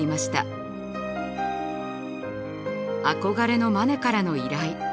憧れのマネからの依頼。